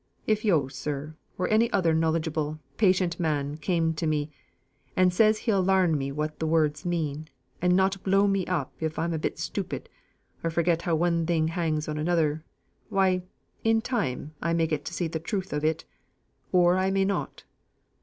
If yo', sir, or any other knowledgable, patient man comes to me, and says he'll larn me what the words mean, and not blow me up if I'm a bit stupid, or forget how one thing hangs on another why, in time I may get to see the truth of it; or I may not.